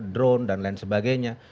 drone dan lain sebagainya